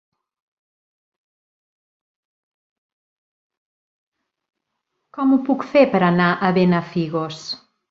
Com ho puc fer per anar a Benafigos?